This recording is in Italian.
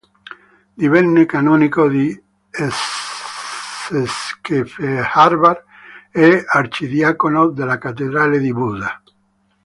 Divenne canonico di Székesfehérvár e arcidiacono della Cattedrale di Buda.